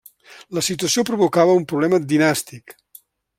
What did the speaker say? La situació provocava un problema dinàstic.